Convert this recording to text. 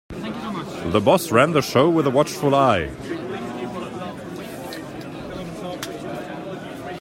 The boss ran the show with a watchful eye.